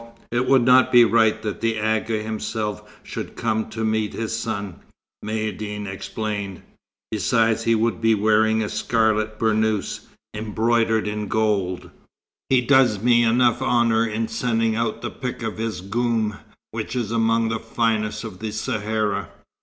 It would not be right that the Agha himself should come to meet his son," Maïeddine explained. "Besides he would be wearing a scarlet burnous, embroidered with gold. He does me enough honour in sending out the pick of his goum, which is among the finest of the Sahara."